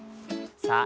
さあ